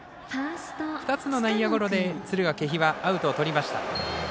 ２つの内野ゴロで敦賀気比はアウトをとりました。